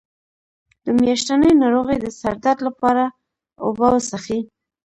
د میاشتنۍ ناروغۍ د سر درد لپاره اوبه وڅښئ